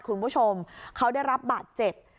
คุณผู้ชมเขาได้รับบาดเจ็บ